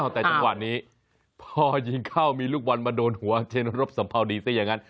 แต่จังหวะนี้พอยิงเข้ามีลูกบอลมาโดนหัวเจนรบสัมภาวดีซะอย่างนั้น